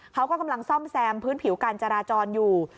เขาก็กำลังซ่อมแซมพื้นผิวการจราจรอยู่